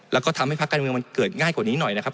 แล้วก็ทำให้ภาคการเมืองมันเกิดง่ายกว่านี้หน่อยนะครับ